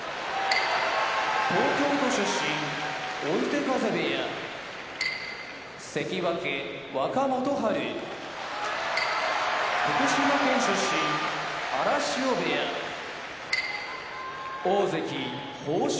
東京都出身追手風部屋関脇・若元春福島県出身荒汐部屋大関豊昇